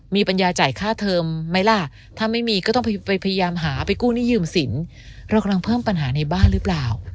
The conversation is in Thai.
มีปัญญาจ่ายค่าเทอมไหมล่ะถ้าไม่มีก็ต้องไปพยายามหาไปกู้หนี้ยืมสินเรากำลังเพิ่มปัญหาในบ้านหรือเปล่า